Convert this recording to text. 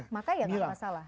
maka ya tak masalah